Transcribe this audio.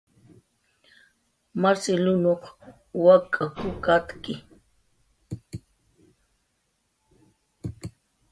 Marcilinuq wak'ak katki